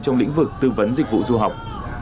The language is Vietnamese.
trong lĩnh vực tư vấn dịch vụ du học